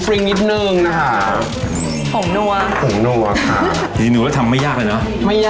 พลิกข้อมือให้มันสุกเสมอได้แล้วสักเดียวอัตไหลมณดุ